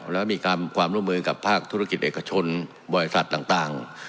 แล้วมีความร่วมมือกับภาคธุรกิจเอกชนบริษัทต่าง